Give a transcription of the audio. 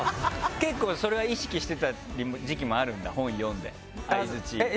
結構それは意識してた時期もあるんだ本読んで相づち。